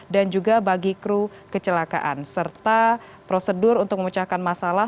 dan juga bagi kru kecelakaan serta prosedur untuk memecahkan masalah